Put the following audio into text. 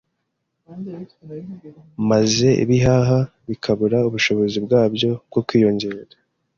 maze ibihaha bikabura ubushobozi bwabyo bwo kwiyongera.